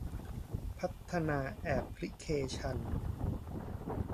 พัฒนาแอปพลิเคชัน